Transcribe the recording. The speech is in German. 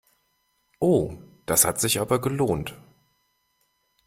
Oh, das hat sich aber gelohnt!